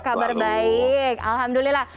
kabar baik alhamdulillah